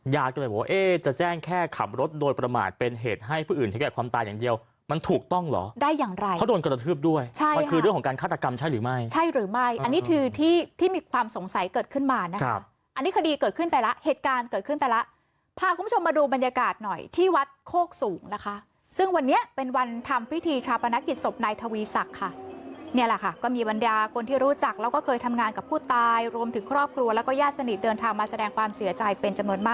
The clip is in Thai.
อยากเลยบอกว่าเอ๊ะจะแจ้งแค่ขับรถโดนประมาทเป็นเหตุให้ผู้อื่นที่แก่ความตายอย่างเดียวมันถูกต้องเหรอได้อย่างไรเขาโดนกระทืบด้วยใช่ค่ะคือเรื่องของการคาดกรรมใช่หรือไม่ใช่หรือไม่อันนี้คือที่ที่มีความสงสัยเกิดขึ้นมานะคะอันนี้คดีเกิดขึ้นไปละเหตุการณ์เกิดขึ้นไปละพาคุณผู้ชมมาดูบรรยากาศหน่อยท